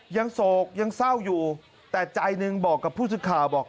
โศกยังเศร้าอยู่แต่ใจหนึ่งบอกกับผู้สื่อข่าวบอก